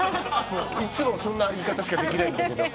いっつもそんな言い方しかできないんだけど。